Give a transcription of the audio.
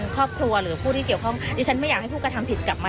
ครอบครัวหรือผู้ที่เกี่ยวข้องดิฉันไม่อยากให้ผู้กระทำผิดกลับมา